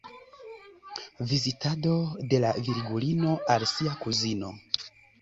Vizitado de la Virgulino al sia kuzino.